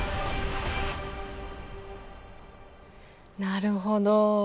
なるほど。